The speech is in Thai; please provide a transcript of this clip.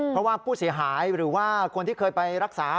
เพราะว่าผู้เสียหายหรือว่าคนที่เคยไปรักษา